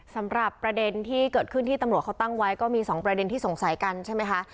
สำหรับประเด็นที่เกิดขึ้นที่ตำรวจเขาตั้งไว้ก็มี๒ประเด็นที่สงสัยกันใช่ไหมคะ